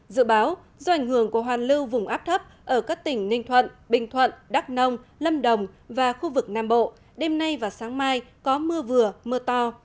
dự báo do ảnh hưởng của hoàn lưu vùng áp thấp ở các tỉnh ninh thuận bình thuận đắk nông lâm đồng và khu vực nam bộ đêm nay và sáng mai có mưa vừa mưa to